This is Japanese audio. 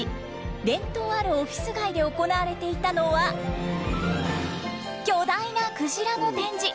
伝統あるオフィス街で行われていたのは巨大なクジラの展示。